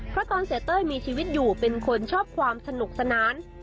เพราะตอนเสียเต้ยมีชีวิตอยู่เป็นคนชอบความสนุกสนาน